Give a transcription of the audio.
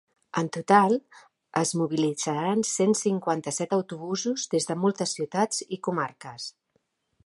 En total, es mobilitzaran cent cinquanta-set autobusos des de moltes ciutats i comarques.